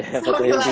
terus kalau itu tadi